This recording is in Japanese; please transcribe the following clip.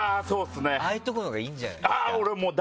ああいうところのほうがいいんじゃないですか？